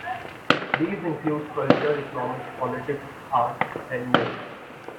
These include culture, economics, politics, art, and more.